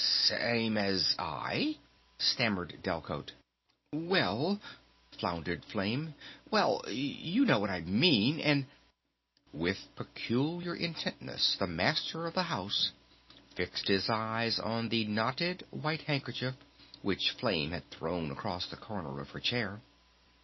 "Same as ... I?" stammered Delcote. "Well..." floundered Flame. "Well ... you know what I mean and ..." With peculiar intentness the Master of the House fixed his eyes on the knotted white handkerchief which Flame had thrown across the corner of her chair.